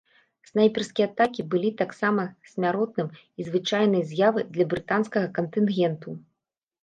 Снайперскія атакі былі таксама смяротным і звычайнай з'явай для брытанскага кантынгенту.